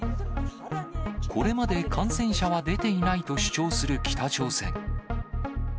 これまで感染者は出ていないと主張する北朝鮮。